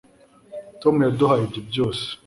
Tom yaduhaye ibyo byose